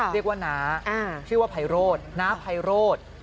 เรียกว่านาชื่อว่าไพโรดนาไพโรด